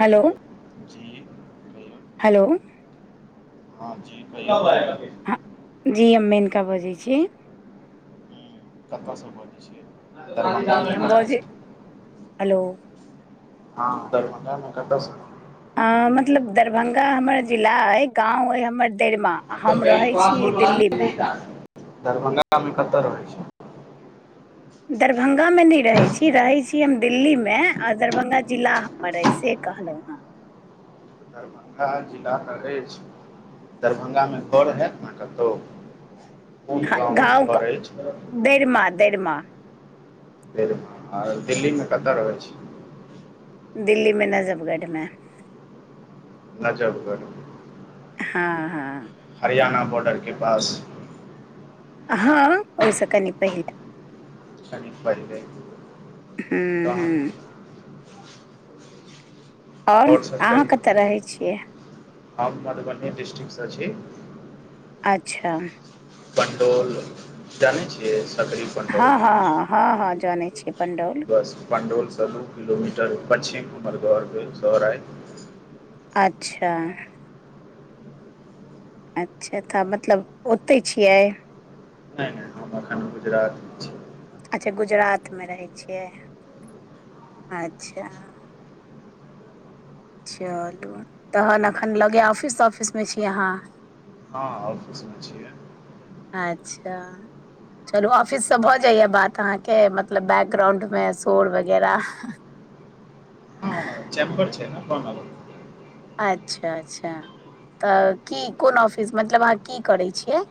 Hello [unintelligible] hello हं जी कहियो [unintelligible] हँ, जी हम मेनका बजै छी। कत स बजै छी हम बजै हेलो [unintelligible] हँ दरभङ्ंगामे कत स अ मतलब दरभंगा हमर जिला अइ गाँव अइ हमर दैरमा आ हम रहै छी दिल्लीमे। दरभंगा मे कत रहै छी? दरभंगामे नै रहै छी रहै छी हम दिल्लीमे आ दरभंगा जिला हमर ऐ से कहलहुँ हेँ। दरभंगा जिला त अछि दरभंगामे घर हैत ने कतौ? कोन गाँव घर अछि दैरमा दैरमा [unintelligible] दैरमा। आ दिल्लीमे कत रहै छी? दिल्लीमे नजबगढ़मे। नजबगढ़ हँ-हँ हरियाणा बॉर्डरके पास? हँ ओइसँ कनी पहिले। कनी पहिले। हूँ कहांक हूँ छै? आओर सब अहाँ कहियौ कत रहै छियै? हम मधुबनी डिस्ट्रिक्टसँ छी। अच्छा पण्डौल जानै छियै सकरी? पंडौल हँ-हँ-हँ-हँ जानै छीिय पं्डौल। पण्डोलसँ दू किलोमीटर पच्चिम उमरगर शर आय। अच्छा अच्छा तऽ मतलब ओतै छियै? नहि नहि हमखा गुजरात छी। अच्छा गुजरात मे रहै छियै अच्छा। चलू तहन अखन लगे ऑफिस तऑफिस मे छी अहाँ? हँ ऑफिसमे छियै। अच्छा चलू ऑफिस से भऽ जाइया बात अहाँके मतलब बैकग्राउंड में शोर वगैरह चैमबर छै नेना [unintelligible] अच्छा अच्छा तऽ की कोन ऑफिस मतलब अहाँ की करै छियै।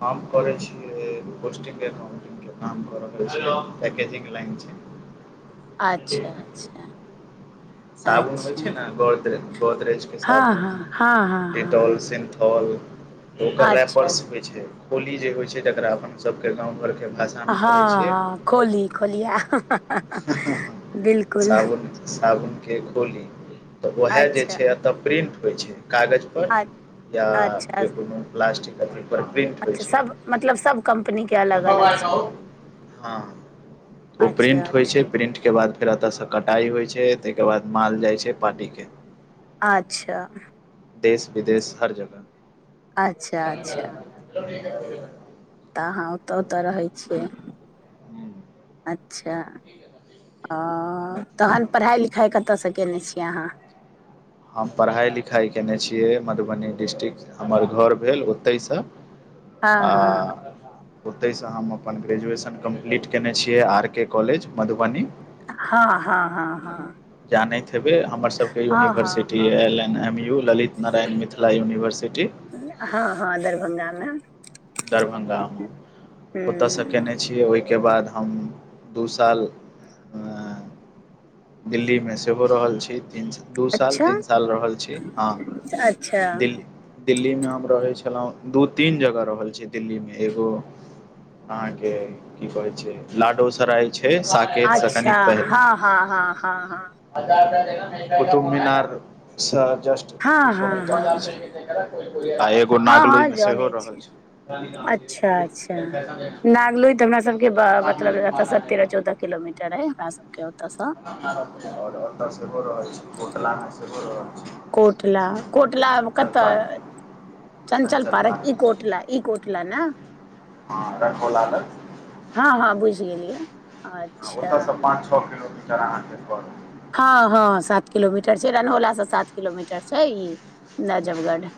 हम करैय छिये कॉस्टिंग एकाउंटिंग के काम क रहल छी पैकेजिंग लाइन छै। अच्छा अच्छा। साबुन होइ अच्छा छै ने गोदरेज गोदरेज के हँ साबुन हँ हँ हँ डिटोल, हँ सीन्थोल त ओकर हँ अच्छा रैपर्स होइ छै खोली जे होइ छै जकरा अपन सबके गाँव घर के हँ हँ खोली खोलिआ। साबुन साबुन के खोली त वैहा जे अच्छा छै अतऽ प्रिंट होय छै कागज अच्छा या अच्छा जे कोनो प्लास्टिक। [unintelligible] होइ अच्छा छै सब मतलब सब कम्पनीके अलग अलग छै। हँ ओ प्रिंट अच्छा। होइ छै प्रिंट के बाद फेर अतऽ से कटाई होइ छै तइके बाद माल जाइ छै पार्टी के। अच्छा। देश विदेश हर जगह। अच्छा अच्छा त अहाँ ओतऽ ओतऽ रहै छियै अच्छा। ओ तहन पढ़ाइ लिखाइ कतयस केने छी अहाँ। हम पढ़ाइ लिखाइ केने छियै मधुबनी डिस्टिक हमर घर भेल ओतहिसँ आ अहाँ ओतहिसँ हम अपन ग्रेजुएशन कम्प्लीट केने छियै आर के कॉलेज मधुबनी। हँ हँ हँ हँ। जानैत हेबै हमरसबके हँ हँ हँ यूनिवर्सिटी हँ L N M U Lalit Narayan Mithila university. हँ हँ दरभंगामे। दरभंगा म ओतऽ स हूँ केने छीये ओहि ओहिके बाद हम दू साल दिल्ली मे सेहो रहल छी तीन सा दू साल अच्छा तीन साल रहल छी हँ अच्छा दिल्ली दिल्ली में हम रहे छलौं दू तीन जगह रहल दिल्ली मे एगो अहाँके की कह छै लाडोसराय छै साकेत स अच्छा कनिक हँ हँ हँ हँ पहिले कुतुम मीनारसँ जस्ट हँ दू हँ सौ हँ हँ मीटर हँ पीछे। आ एगो हँ हँ नागलोइमे सेहो जानै रहल छी। नागलो तऽ हमरा सबके बा मतलब एतऽसँ तेरह चौदह किलोमीटर अइ हमरा सबके ओतऽसँ। और ओतऽ सेहो रहल छी कोटला मे सेहो रहैत छी। कोटला कोटला कतऽ चंचल चञ्चल पारक पार्क ई कोटला ई कोट ने। हँ रखोला लग। हँ हँ बुझि गेलियै अच्छा। ओतयसँ पाँच छ किलो मिट टर अहाँके परत। हँ हँ सात किलोमीटर छै रनहौला स सात किलोमीटर छै ई नाजबगढ़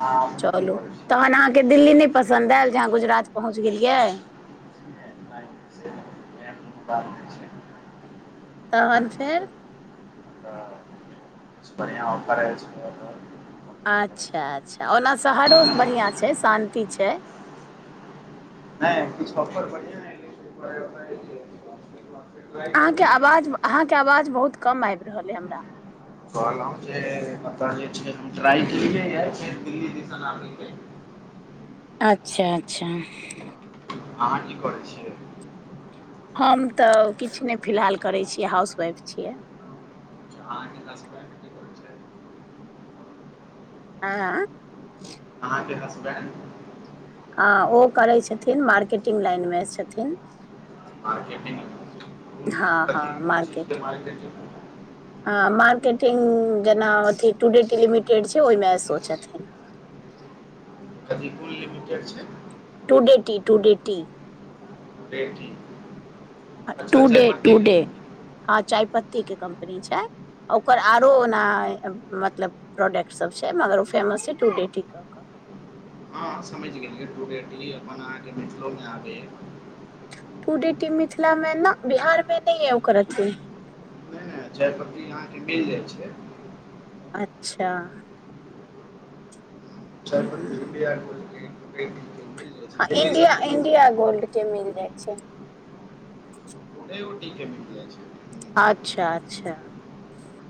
अहाँ अपने की चलू करै छी तहन अहाँके दिल्ली नहि पसन्द आयल जे अहाँ गुजरात पहुँच गेलियै। एहन कोनो बात नय छै। अच्छा तहन फेर [unintelligible] तऽ [unintelligible] बढ़िआं ऑफर एल छेलैया तऽ अच्छा अच्छा ओना शहरो बढ़ियां छै शान्ति छै। नैय किछ ऑफर बढ़ियां एलैयै तैय दुआरे ओकरा जे छैय [unintelligible] अहाँके अवाज अहाँके अवाज बहुत कम आइब रहल अय हमरा। कहलौं जे मतलब जे छै हम ट्राय केलियै यै जे दिल्ली दिसन आबय के अच्छा-अच्छा। अहाँ की करै छियै? हम तऽ किछ नैय फिल्हाल करै छियै हाउसवाइफ छियै। अच्छा अहाँके हसबैंड की करै छैथ? आँ? अहाँके हसबैंड। हँ ओ करै छथिन मार्केटिंग लाइन में छथिन। मार्केटिंग कुन हँ हँ कथी कुन चीज के मार्केटिंग? आ मार्केटिंग जेना अथि टूडे टी लिमिटेड छै ओयमे स ओ छथिन। कथी कुन लिमिटेड छै? Today tea today tea. Today tea. Today today हँ चायपत्ती के कम्पनी छै। ओकर आरो ओना मतलब प्रोडक्ट सब छै मगर ओ फेमस छै टूडे टी कऽ कऽ। हँ समझ गेलियै टूडे टी अपन अहाँ के मिथिलो में आबैया। टूडेटी मिथिलामे नऽ बिहारमे नैय अय ओकर अथी। नैय-नैय चायपत्ती अहाँके मिल जाइ छै। अच्छा। चायपत्ती ह इंडिया गोल्ड के टुडेटी के मिल जाइ छै हँ दिल्ली इंडिया सभमे तऽ इंडिया गोल्ड के मिल जाइ छै। टूडेओटी के मिल जाइ छै। अच्छा अच्छा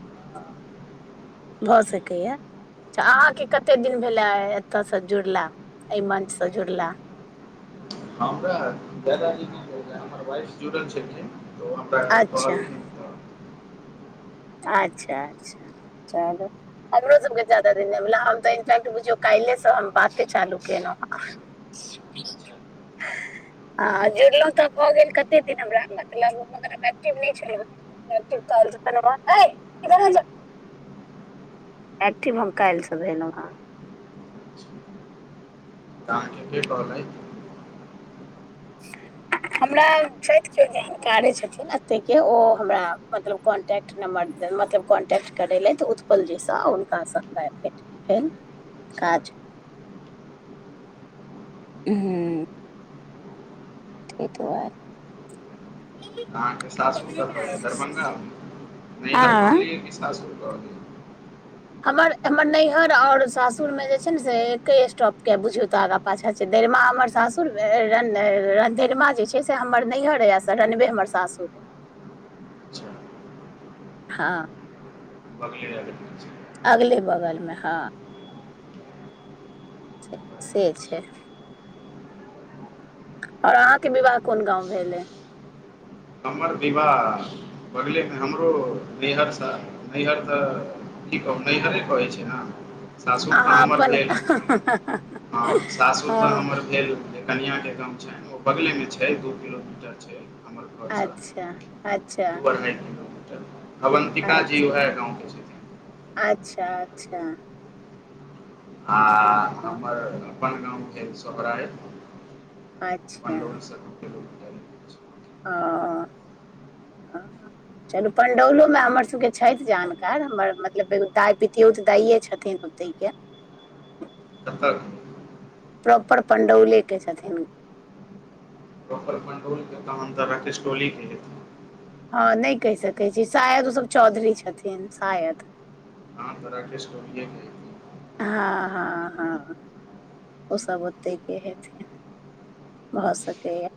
ऑ भऽ सकैया। च्छा अहाँके कत्ते दिन भेलै एतऽसँ जुड़ला अय मंचसँ जुड़ला। हमरा ज्यादा दिन नैय भेला हमर वाइफस् जुड़ल छथिन। तऽ ओ हमरा अच्छा कहलखिन तऽ आच्छा अच्छा चलू। हमरो सबके जादा दिन नैय भेला हम तऽ इनफैक्ट बुझियौ काइले स हम बाते चालू केलौं हँ। [inaudible] आ जुड़लौं तऽ भऽ गेल कत्ते दिन हमरा मतलब मगर हम एक्टिव नैय छेलौ हँ। एक्टिव तऽ [unintelligible] हय इधर आ जा एक्टिव हम काइल स भेलौं हँ। अहाँके के कहलैथ? [unintelligible] हमरा छैथ कियो जानकारे छथिन अतै के ओ हमरा मतलब कॉन्टै क्ट नंबर देलऽ मतलब कॉन्टैक्ट करै लैथ उत्पल जी स हुनका स हमरा आइ भेट भेल। अच्छा, काज उम्हूं। तै दूआरे। मम्मी अहाँके सासुर कतऽ यै दरभंगा? नैहर आँ कहलियै की सासुर कहलीयै? हमर, हमर नैयहर और सासुर मे जे छै ने से एके स्टॉप के बुझयौ त आगा पाछा छै दैरमा हमर सासुर भेल, रनधर रनधैरमा जे छै से हमर नैयहर अय से रनवे हमर सासुर अय। अच्छा हां। बगले-अगल मे छै। अगले-बगल मे हां। छै से छै। और अहाँ के विवाह कुन गाँव भेल अय। हमर विवाह बगले मे, हमरो नैयहर सँ नैयहर से कि कहु नैयहरे कहै छै ना। सासुर तऽ अहाँ हमर अपन भेल, हां सासुर तऽ हँ हमर भेल कनिया के गाम छैन, ओ बगले मे छै दू किलोमीटर छै हमर घर से। अच्छा अच्छा दु अढाई किलोमीटर अवन्तिका जी उहै गाँव के छैथ। अच्छा-अच्छा। आ हँ, हमर अपन गाम भेल सोहरारे। अच्छा। अ, आ। चलु पंडौलो मे हमर सबके छैथ जानकार, हमर मतलब एगो दाय पितयोत दाइये छथिन। ओतय के। कतऽ के। प्रॉपर पण्डौले के छथिन। प्रॉपर पण्डौल के तहन तऽ राकेेश टोलीेे के हेतै। हां नै कैह सकै छी शायद उ सब चौधरी छथिन शायद। हां तऽ राकेश टोलिये के हे हां-हां-हां ओ सब ओते के हेथिन। भऽ सकैया।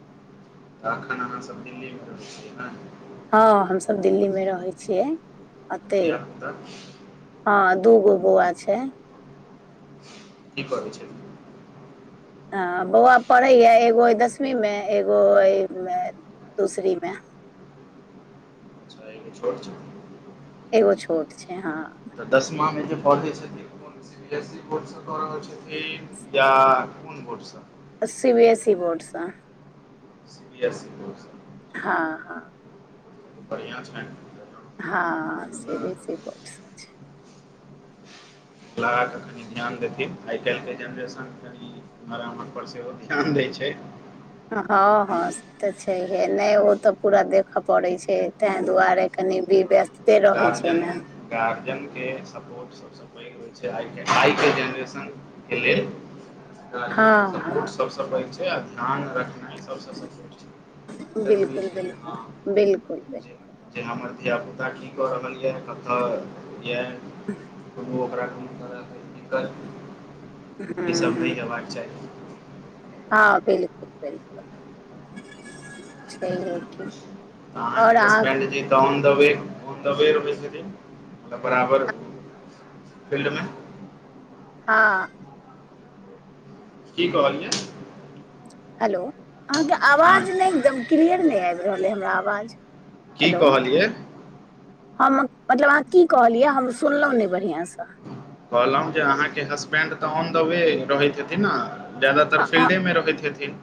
त अखन अहाँ सब दिल्ली मे रहै छियै ना। हां हम सब दिल्ली मे रहै छियै ओते। धिया पुता हां दूगो बौअवा छै। की करै छै। हां बौअवा पढ़ैया, एगो अय दसवी मे, एगो अय मे दूसरी मे। अच्छा एगो छोट छै। एगो छोट छै हां। तऽ दसमा मे जे पढ़ै छथिन उ कुन C B S C board सँ कऽ रहल छथिन या कुन बोर्ड से। C B S C board से। C B S C board से। हां-हां। बढ़ियाँ छैन। हां C B S C board से छै। [unintelligible] अखिनी ध्यान देथिन आय-काएल के जेनरेशन मे कनि इम्हर-उम्हर पर सेहो ध्यान दै छै। हां-हां से तऽ छैहये नै ओ तऽ पूरा देखा पड़ै छै तै दुआरे कनि वि व्यस्त गार्जन, गार्जन के सपोर्ट स सब पैघ होई छै आय के, आई के जेनरेशन के लेल गार्जियन हँ के हँ सपोर्ट सबसँ पैघ छै, आ ध्यान रखनाय सबसँ सपोर्ट छै। बिलकुल - जे बिलकुल, हँ बिलकुल- बिलकुल। जे जे हमर धिया पुता की कऽ रहल ये कतऽ ये कोनो ओकरा ओकरा लेल दिककत ई हूँ सब नै हेबाक चाही। हाँ बिलकुल- बिलकुल छैहीए कि। अहाँके हस्बैनड जे तहन द बे बेर [unintelligible] बरार फील्ड मे हाँ। की कहलियै? हेलो अहाँके हँ आवाज नै एकदम क्लियर नै ऐब रहल ऐ हमरा आवाज। की हेलो कहलियै? हम मतलब अहाँ की कहलियै? हम सुनलऊ नै बढ़िआँ सँ। कहलाउ जे अहाँके हसबेंड तऽ ऑन द वे रहैत हेथिन न। जदातर फील्डे मे रहैत हेथिन।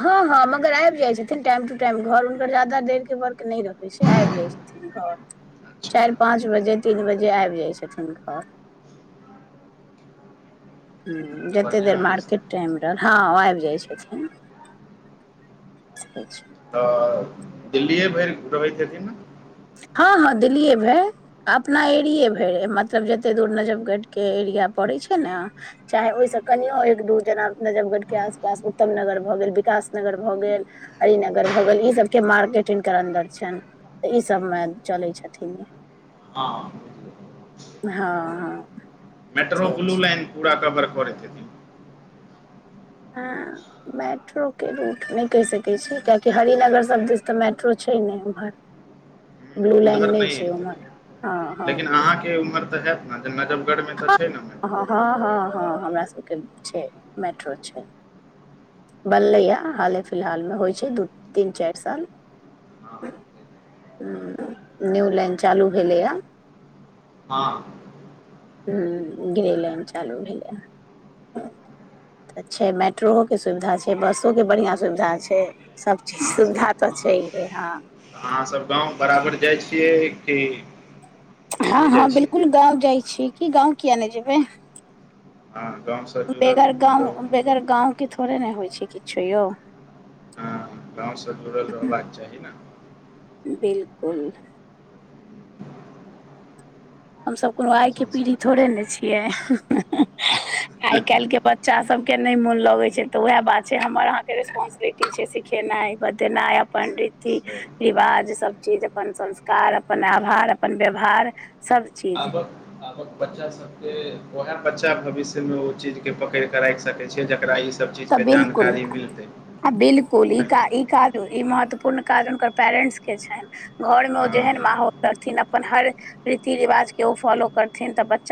ह - ह मगर ऐब जाय छथिन टाइम टू टाइम घर हुनकर जादा देर के वर्क नै रहै छै ऐब जाय छथिन। अच्छा चैर पाँच बजे, तीन बजे ऐब जाइ छथिन घर। हु जते देर बढ़िआँ मार्केट अछि टाइम हँ ऐब जाय छथिन। तऽ दिल्लीए भैर रहैत हेथीन। ह - ह दिलियै भैर। अपना एरिए भैर, मतलब जते दूर नजबगढ़के एरिया पड़ै छै ने। चाहे ओयसँ कनियो एक दू जेना नजफगढ़के आसपास, उत्तम नगर भऽ गेल, विकासनगर भऽ गेल। हरिनगर भऽ गेल ई सबके मार्केटिंग के अन्दर छैन। ई सभमे चलै छथिन इ। हाँ। ह- ह। मेट्रो ब्लू लाइन पूरा कवर करैत हेथीन। ह। मेट्रो के रूट नै कैह सकै छी, कियेकि हरिनगर सब दिस तऽ मेट्रो छै नै उम्हर। [inaudible] लाइन उधर नै नहि छै एतै उम्हर हँ हँ लेकिन अहाँ के उम्हर तऽ हेत न नजफगढ़ मे तऽ छै। मेट्रो ह- ह- ह हमरा सबके छै, मेट्रो छै। बनलैये हाले फिलहालमे होइ छै दू, तीन, चैर साल। हु न्यू लैंन चालू भेलैये। हँ। हु ग्रे लाइन चालू भेलै। तऽ छै मेट्रोओे के सुविधा छै, बसोके बढ़िआँ सुविधा छै। सभचीज अहाँ सुविधा सब तऽ अहाँ छैेहे हँ। अहाँसभ गाँव बराबर जाइ छियै कि ह- नहि ह जाइ छियै बिलकुल गाँंव जाय छीये कि, गाँंव किये नै जेबै। आ गांव स बेगर गांव, बेगर गांवके थोड़े ने होइ छै किछु यौ। हँ गाँवसँ जुड़ल रहबाक चाही न। बिलकुल। हमसब कोनो अपन आइके पीढ़ी संस्कृति थोड़े नै छियै। आइ काल्हिके बच्चा सबके नै मोन लगे छै तऽ उएह बात छै हमर अहाँ के रेस्पोंसबिलि टी छैे सिखेनाइ बतेनाइ अपन रीति। सही रिवाज सही सभचीज अपन संस्कार अपन आभार अपन व्यवहार सब चीज। आबक बच्चा सबके। वैहे बच्चा भविष्यमे ओ चीज के पकड़िके राखि सकै छै जकरा ई स त बिलकुन। आ बिलकुल ईका ई नहि काज ई महत्वपूर्ण काज हुनकर पेरेंट्स के छैनि। घरमे ओ जेहन हँ माहौल करथिन अपन हर रीति रिवाजके ओ फॉलो करथिन तऽ बच्चा।